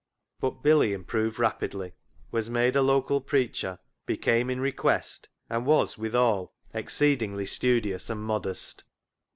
But Billy improved rapidly, was made a local preacher, became in request, and was, withal, exceedingly studious and modest.